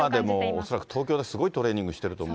今でも恐らく東京ですごいトレーニングしてると思う。